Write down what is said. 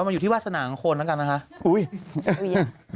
มันอยู่ที่วาสนางของคนจริงได้ตอบถูก